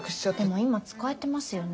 でも今使えてますよね？